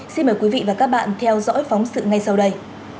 xin mời quý vị và các bạn theo dõi phóng sự ngay sau đây